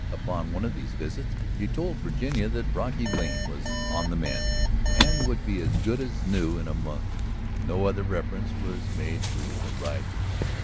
Upon one of these visits he told Virginia that Brocky Lane was "on the mend" and would be as good as new in a month; no other reference was made to her ride with him.